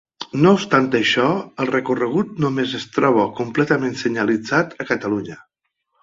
No obstant això, el recorregut només es troba completament senyalitzat a Catalunya.